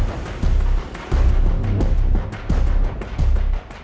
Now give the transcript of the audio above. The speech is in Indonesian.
pengelolaan telang elektronik